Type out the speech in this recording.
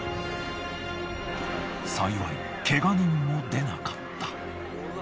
幸いケガ人も出なかった。